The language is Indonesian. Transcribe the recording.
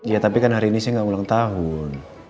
ya tapi kan hari ini saya nggak ulang tahun